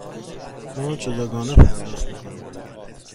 ما جداگانه پرداخت می کنیم.